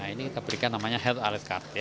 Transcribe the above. ini kita berikan namanya health alert card